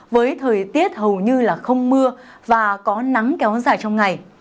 với thời tiết hầu như là không mưa và có nắng kéo dài trong ngày